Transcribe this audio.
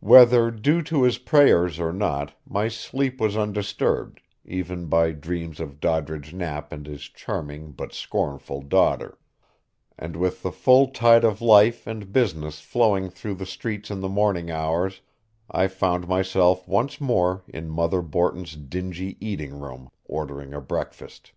Whether due to his prayers or not, my sleep was undisturbed, even by dreams of Doddridge Knapp and his charming but scornful daughter; and with the full tide of life and business flowing through the streets in the morning hours I found myself once more in Mother Borton's dingy eating room, ordering a breakfast.